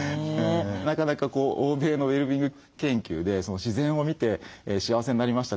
なかなか欧米のウェルビーイング研究で「自然を見て幸せになりました」